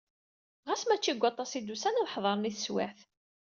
Ɣas mačči deg waṭas i d-usan ad ḥeḍren i teswiɛt.